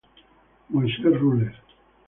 Moises Rules!